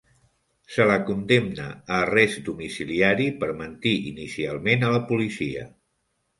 Se l'ha condemna a arrest domiciliari per mentir inicialment a la policia.